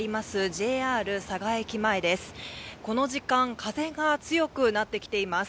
ＪＲ佐賀駅前です。